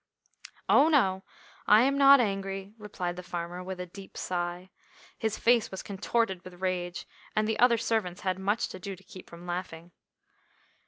"Oh, no, I am not angry," replied the farmer, with a deep sigh. His face was contorted with rage, and the other servants had much to do to keep from laughing.